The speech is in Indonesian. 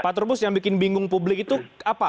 pak trubus yang bikin bingung publik itu apa